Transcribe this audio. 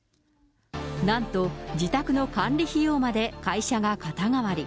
なんと自宅の管理費用まで会社が肩代わり。